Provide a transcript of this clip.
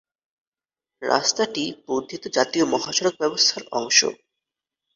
রাস্তাটি বর্ধিত জাতীয় মহাসড়ক ব্যবস্থার অংশ।